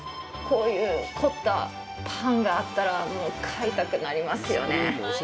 こういう凝ったパンがあったら買いたくなりますよね。